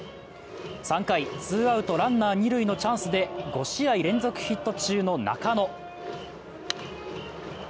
３回ツーアウトランナー二塁のチャンスで５試合連続ヒット中の中野。